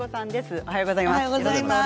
おはようございます。